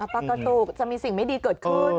ปกติจะมีสิ่งไม่ดีเกิดขึ้น